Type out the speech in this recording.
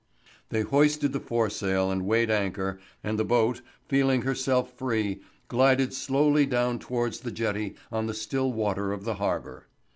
They hoisted the foresail and weighed anchor; and the boat, feeling herself free, glided slowly down towards the jetty on the still water of the harbour.